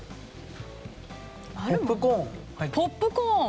ポップコーン。